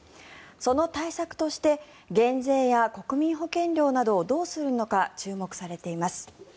その対策として、減税や国民保険料などをどうするのか注目されています。